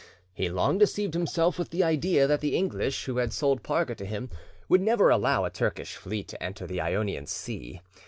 He long deceived himself with the idea that the English, who had sold Parga to him, would never allow a Turkish fleet to enter the Ionian Sea.